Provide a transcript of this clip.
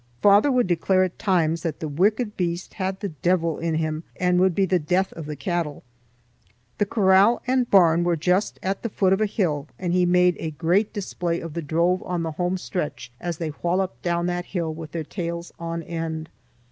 Father would declare at times that the wicked beast had the deevil in him and would be the death of the cattle. The corral and barn were just at the foot of a hill, and he made a great display of the drove on the home stretch as they walloped down that hill with their tails on end.